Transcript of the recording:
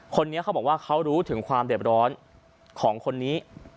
คนนี้เขาบอกว่าเขารู้ถึงความเด็บร้อนของคนนี้